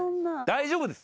大丈夫です。